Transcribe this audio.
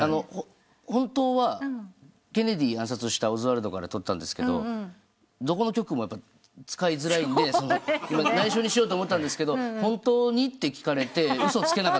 本当はケネディを暗殺したオズワルドから取ったんですがどこの局も使いづらいんで内緒にしようと思ったんですが「本当に？」って聞かれて嘘つけなかったです